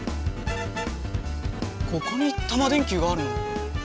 ここにタマ電Ｑがあるの？